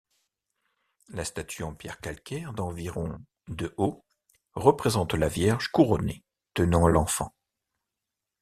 La statue en pierre calcaire, d'environ de haut, représente la Vierge couronnée tenant l'enfant.